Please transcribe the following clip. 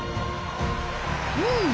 うん！